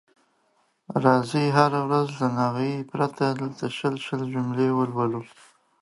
راځئ هره ورځ له ناغې پرته دلته شل شل جملې ولولو.